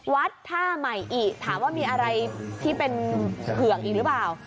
วัดท่าใหม่อิถามว่ามีอะไรที่เป็นเผือกอีกหรือเปล่า